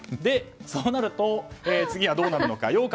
そうなると、次はどうなのか。